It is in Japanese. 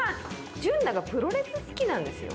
純奈がプロレス好きなんですよ。